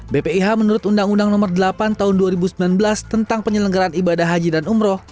bpih menurut undang undang nomor delapan tahun dua ribu sembilan belas tentang penyelenggaran ibadah haji dan umroh